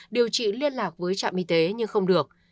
điều trị liên lạc với trạm y tế nhưng không được